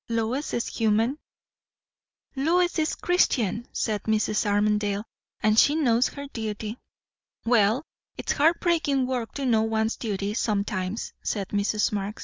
Lois is human." "Lois is Christian," said Mrs. Armadale; "and she knows her duty." "Well, it's heart breakin' work, to know one's duty, sometimes," said Mrs. Marx.